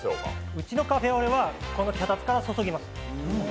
うちのカフェオレはこの脚立から注ぎます。